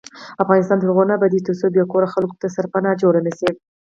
افغانستان تر هغو نه ابادیږي، ترڅو بې کوره خلکو ته سرپناه جوړه نشي.